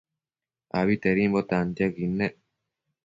Abitedimbo tantiaquid nec